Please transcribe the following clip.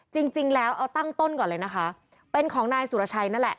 จริงแล้วเอาตั้งต้นก่อนเลยนะคะเป็นของนายสุรชัยนั่นแหละ